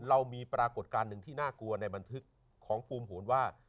เรามีปรากฏการณ์หนึ่งที่น่ากลัวในบันทึกของภูมิโหนว่า